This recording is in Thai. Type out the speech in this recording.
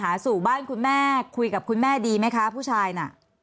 สู่บ้านคุณแม่คุยกับคุณแม่ดีไหมคะผู้ชายน่ะ